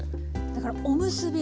だからおむすび